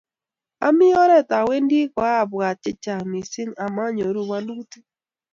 Ami oret awendi kiabwat che chang mising amanyoru walutik